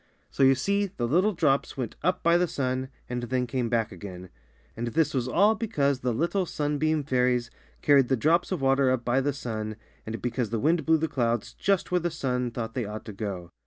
So, you see, the little drops went up by the sun and then came back again. And this was all because the little sunbeam fairies car ried the drops of water up by the sun and because the wind blew the clouds just where the sun thought they ought to go.